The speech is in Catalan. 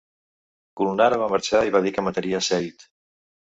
Gulnara va marxar i va dir que mataria Seid.